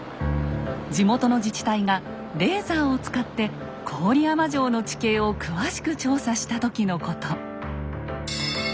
地元の自治体がレーザーを使って郡山城の地形を詳しく調査した時のこと。